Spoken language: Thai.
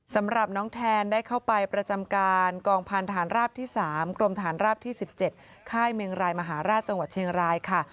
สำหรับน้องแทนได้เข้าไปประจำการกองพันธานราบที่๓กรมฐานราบที่๑๗ค่ายเมืองรายมหาราชจังหวัดเชียงรายค่ะ